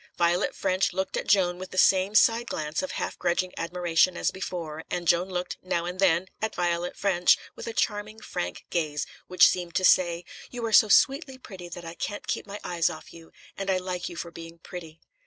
Violet Ffrench looked at Joan with the same side glance of half grudging admiration as before, and Joan looked, now and then, at Violet Ffrench with a charming, frank gaze, which seemed to say: "You are so sweetly pretty that I can't keep my eyes off you, and I like you for being pretty."